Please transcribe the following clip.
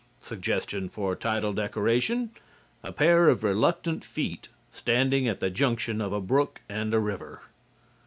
(Suggestion for title decoration: A pair of reluctant feet standing at the junction of a brook and a river.)